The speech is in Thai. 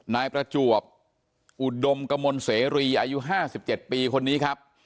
นายประจวบอุดมกมลเสรีอายุ๕๗ปีคนนี้ครับ